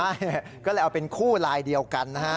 ใช่ก็เลยเอาเป็นคู่ลายเดียวกันนะฮะ